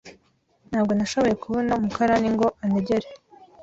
Ntabwo nashoboye kubona umukarani ngo antegere.